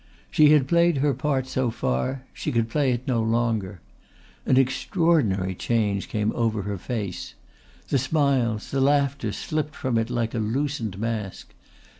She had played her part so far, she could play it no longer. An extraordinary change came over her face. The smiles, the laughter slipped from it like a loosened mask.